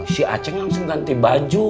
si aceh langsung ganti baju